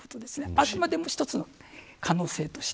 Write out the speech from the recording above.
あくまでも一つの可能性として。